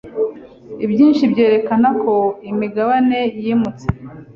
ibyinshi byerekana ko imigabane yimutse